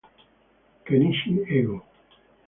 Kenichi Ego